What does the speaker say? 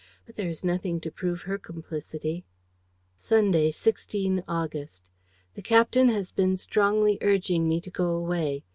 But there is nothing to prove her complicity. "Sunday, 16 August. "The captain has been strongly urging me to go away.